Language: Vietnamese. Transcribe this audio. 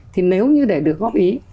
thì nếu như để được góp ý